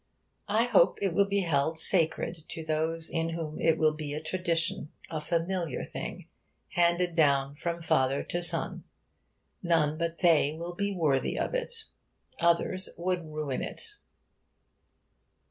I hope it will be held sacred to those in whom it will be a tradition a familiar thing handed down from father to son. None but they will be worthy of it. Others would ruin it.